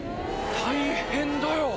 大変だよ